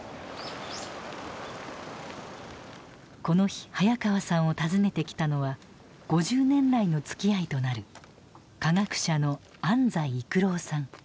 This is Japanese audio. この日早川さんを訪ねてきたのは５０年来のつきあいとなる科学者の安斎育郎さん。